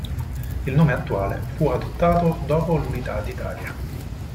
Il nome attuale fu adottato dopo l'Unità d'Italia.